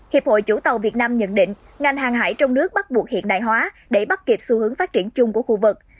hiệp hội chủ tàu việt nam nhận định ngành hàng hải trong nước bắt buộc hiện đại hóa để bắt kịp xu hướng phát triển chung của khu vực